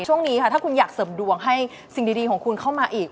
ช่วงนี้ค่ะถ้าคุณอยากเสริมดวงให้สิ่งดีของคุณเข้ามาอีก